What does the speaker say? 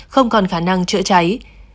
không còn khả năng chữa cháy